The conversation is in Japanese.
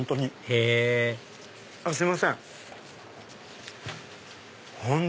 へぇすいません。